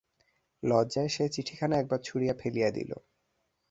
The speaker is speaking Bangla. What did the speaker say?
লজ্জায় সে চিঠিখানা একবার ছুঁড়িয়া ফেলিয়া দিল।